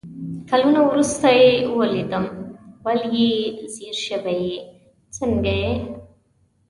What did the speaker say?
کالونه ورورسته يې ويلدم ول يې ځير شوي يې ، څنګه يې ؟